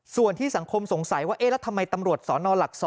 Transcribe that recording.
ส่วนที่สังคมสงสัยว่าเอ๊ะแล้วทำไมตำรวจสนหลัก๒